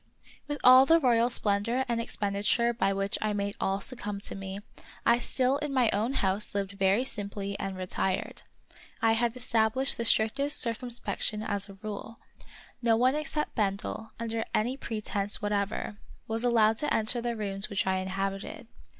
With all the royal splendor and expenditure by which I made all succumb to me, I still in my own house lived very simply and retired. I had established the strictest circumspection as a rule. No one except Bendel, under any pretense what ever, was allowed to enter the rooms which I inhabited.